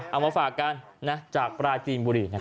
เอามาฝากกันจากปราจีนบุรี